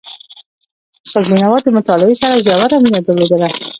استاد بينوا د مطالعې سره ژوره مینه درلودله.